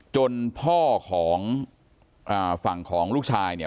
จนพ่อของฝั่งของลูกชายเนี่ย